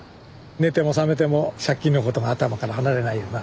寝ても覚めても借金のことが頭から離れないような。